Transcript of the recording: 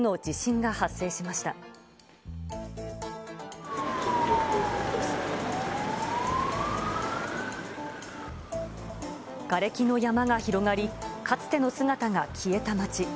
がれきの山が広がり、かつての姿が消えた街。